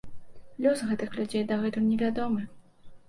Лёс гэтых людзей дагэтуль невядомы.